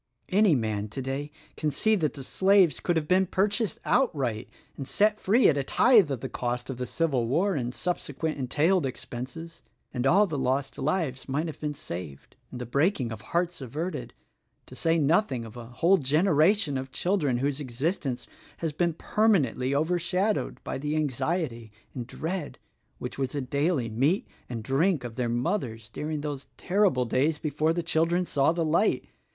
Any man, todav, can see that the slaves could have been purchased outright and set free at a tithe of the cost of the civil war and sub sequent entailed expenses, and all the lost lives might have been saved and the breaking of hearts averted— to say nothing of a whole generation of children whose existence has been permanently overshadowed bv the anxiety and dread which was the daily meat and drink of their mothers during those terrible days before the children saw the light.